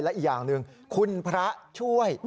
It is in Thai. และอีกอย่างหนึ่งคุณพระช่วย